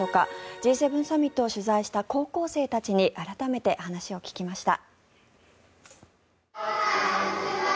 Ｇ７サミットを取材した高校生たちに改めて話を聞きました。